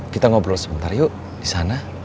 kita ngobrol sebentar yuk disana